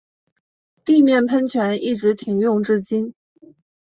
地面喷泉一直停用至今。